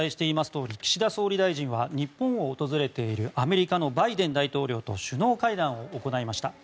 とおり岸田総理大臣は日本を訪れているアメリカのバイデン大統領と首脳会談を行いました。